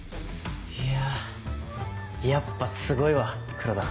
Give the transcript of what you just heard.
いやぁやっぱすごいわ黒田。